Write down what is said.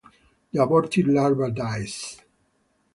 The aborted larva dies.